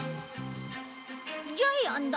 ジャイアンだ。